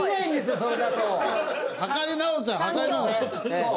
そう。